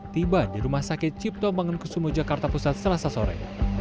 tiba di rumah sakit cipto bangun kusumo jakarta pusat selasa sore